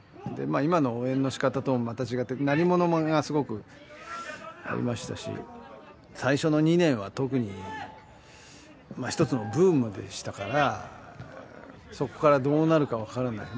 今の応援の仕方ともまた違って鳴り物がすごくありましたし最初の２年は特にまあ一つのブームでしたからそこからどうなるか分からない